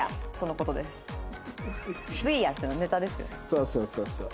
そうそうそうそう。